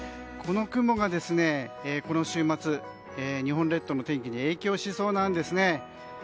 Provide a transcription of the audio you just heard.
この雲が、この週末日本列島の天気に影響しそうなんですね。